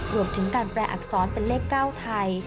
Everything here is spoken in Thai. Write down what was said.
รวมถึงการแปลอักษรเป็นเลข๙ไทย